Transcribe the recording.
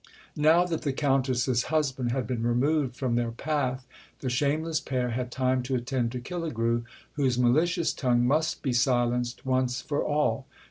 Now that the Countess's husband had been removed from their path the shameless pair had time to attend to Killigrew, whose malicious tongue must be silenced once for all.